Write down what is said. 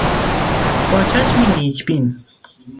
با چشمی نیک بین